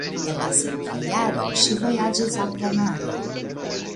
En la sekva jaro ŝi vojaĝis al Kanado.